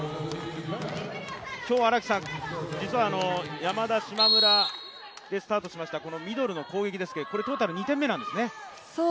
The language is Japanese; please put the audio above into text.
今日は実は、山田、島村でスタートしましたミドルの攻撃ですが、これでトータル２点目なんですね。